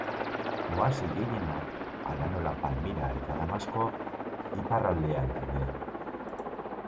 Oasi gehienak, hala nola Palmira eta Damasko, iparraldean daude.